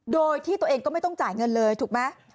โดยที่ตัวเองก็ไม่ต้องจ่ายเงินเลยถูกไหม